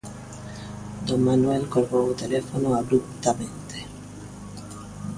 Don Manuel colgou o teléfono abruptamente.